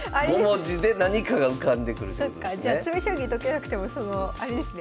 そっかじゃあ詰将棋解けなくてもあれですね